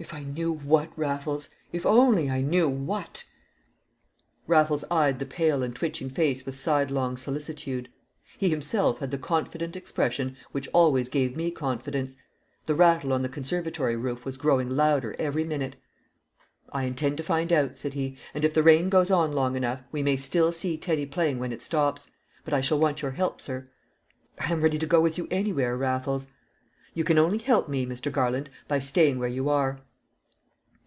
"If I knew what, Raffles if only I knew what!" Raffles eyed the pale and twitching face with sidelong solicitude. He himself had the confident expression which always gave me confidence; the rattle on the conservatory roof was growing louder every minute. "I intend to find out," said he; "and if the rain goes on long enough, we may still see Teddy playing when it stops. But I shall want your help, sir." "I am ready to go with you anywhere, Raffles." "You can only help me, Mr. Garland, by staying where you are."